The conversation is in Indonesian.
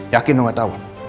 yakin lu nggak tahu